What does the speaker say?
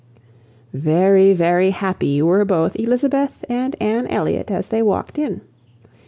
Very, very happy were both Elizabeth and Anne Elliot as they walked in.